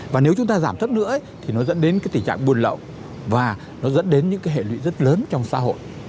và nếu chúng ta giảm thấp nữa thì nó dẫn đến cái tình trạng buồn lậu và nó dẫn đến những cái hệ lụy rất lớn trong xã hội